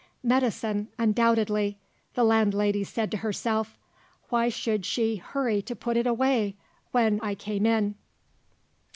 "Medicine, undoubtedly," the landlady said to herself. "Why should she hurry to put it away, when I came in?"